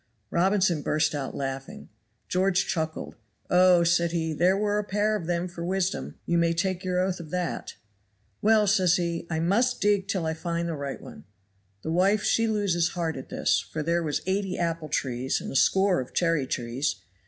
Robinson burst out laughing. George chuckled. "Oh!" said he, "there were a pair of them for wisdom, you may take your oath of that. 'Well,' says he, 'I must dig till I find the right one.' The wife she loses heart at this; for there was eighty apple trees, and a score of cherry trees.